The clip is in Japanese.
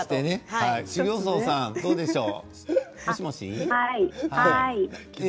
修行僧さんどうでしょう？